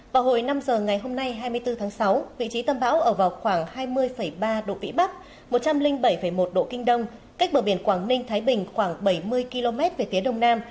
vào hồi năm giờ ngày hôm nay hai mươi bốn tháng sáu vị trí tâm bão ở vào khoảng hai mươi ba độ vĩ bắc một trăm linh bảy một độ kinh đông cách bờ biển quảng ninh thái bình khoảng bảy mươi km về phía đông nam